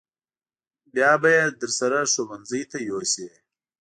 بیا به یې درسره ښوونځي ته یوسې.